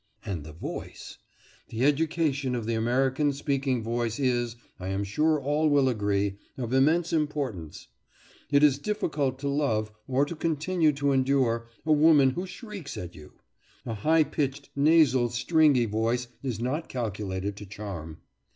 And the voice! The education of the American speaking voice is, I am sure all will agree, of immense importance. It is difficult to love, or to continue to endure, a woman who shrieks at you; a high pitched, nasal, stringy voice is not calculated to charm.